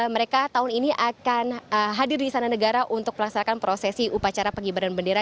mereka tahun ini akan hadir di sana negara untuk melaksanakan prosesi upacara pengibaran bendera